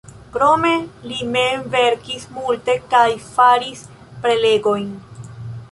Krome li mem verkis multe kaj faris prelegojn.